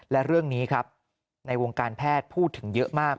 และเรื่องนี้ครับในวงการแพทย์พูดถึงเยอะมาก